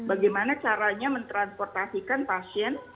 bagaimana caranya mentransportasikan pasien